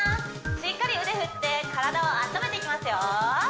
しっかり腕振って体をあっためていきますよ